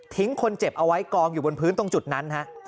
คนเจ็บเอาไว้กองอยู่บนพื้นตรงจุดนั้นฮะ